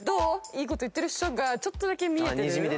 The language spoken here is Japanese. いいこと言ってるっしょがちょっとだけ見えてる。